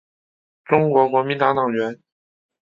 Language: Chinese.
中国国民党党员。